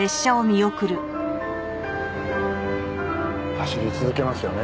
走り続けますよね